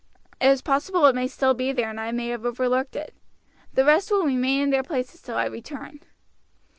It is possible it may still be there and I may have overlooked it. The rest will remain in their places till I return."